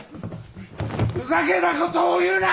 ふざけたことを言うな‼